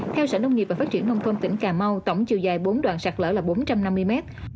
theo sở nông nghiệp và phát triển nông thôn tỉnh cà mau tổng chiều dài bốn đoạn sạt lở là bốn trăm năm mươi mét